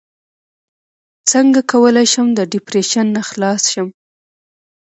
څنګه کولی شم د ډیپریشن نه خلاص شم